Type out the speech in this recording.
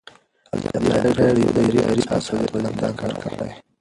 ازادي راډیو د اداري فساد وضعیت انځور کړی.